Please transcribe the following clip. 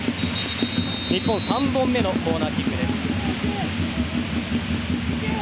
日本、３本目のコーナーキック。